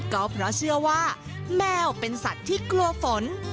ก็เพราะเชื่อว่าแมวเป็นสัตว์ที่กลัวฝน